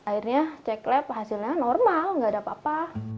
akhirnya cek lab hasilnya normal nggak ada apa apa